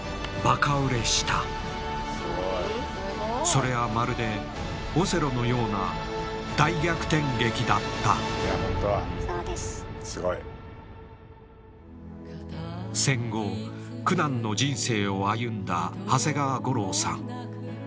それはまるでオセロのような大逆転劇だった戦後苦難の人生を歩んだ長谷川五郎さん。